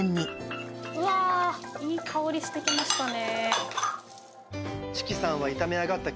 うわいい香りしてきましたね。